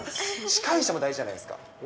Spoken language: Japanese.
司会者も大事じゃないですか。